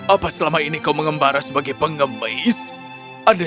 apa kau pernah menggelap sementara ini